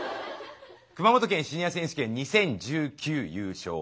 熊本県シニア選手権２０１９優勝。